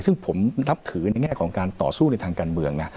ซึ่งผมนับถือในแง่ของการต่อสู้ในทางการเมืองนะ